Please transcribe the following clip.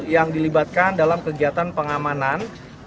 yang dilibatkan dalam kegiatan pengamanan